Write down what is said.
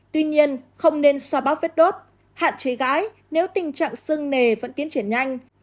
tuy nhiên không nên xoa bóc vết đốt hạn chế gái nếu tình trạng sưng nề vẫn tiến triển nhanh